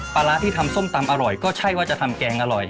ปลาร้าที่ทำส้มตำอร่อยก็ใช่ว่าจะทำแกงอร่อย